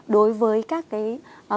đối với các cái